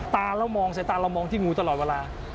ตาเรามองใส่ตาเรามองที่งูตลอดเวลา